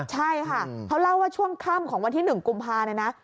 ใช่ค่ะเขาเล่าว่าช่วงค่ำของวันที่๑กุมภาเนี่ยนะ